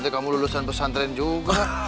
kamu lulusan pesantren juga